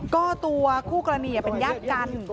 ก็ตัวคู่กรณีเป็นญาติกัน